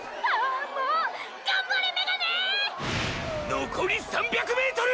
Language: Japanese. のこり３００ｍ！！